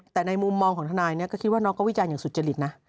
แต่ในมุมมองของทนายเนี่ยก็คิดว่าน้องก็วิจารณอย่างสุจริตนะ